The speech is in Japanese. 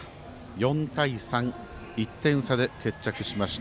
４対３、１点差で決着しました。